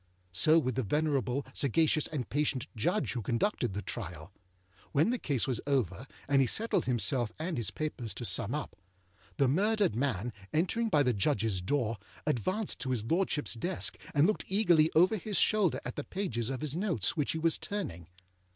So with the venerable, sagacious, and patient Judge who conducted the trial. When the case was over, and he settled himself and his papers to sum up, the murdered man, entering by the Judgesâ door, advanced to his Lordshipâs desk, and looked eagerly over his shoulder at the pages of his notes which he was turning.